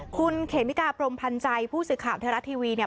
คุณเขมิกาปรมพันใจผู้ศึกข่าวไทยรัฐทีวี